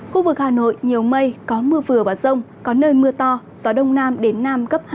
khu vực hà nội nhiều mây có mưa vừa và rông có nơi mưa to gió đông nam đến nam cấp hai